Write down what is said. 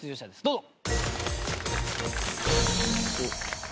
どうぞ。